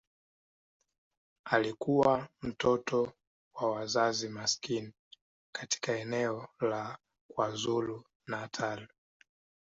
Alikuwa mtoto wa wazazi maskini katika eneo la KwaZulu-Natal.